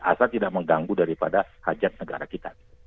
asal tidak mengganggu daripada hajat negara kita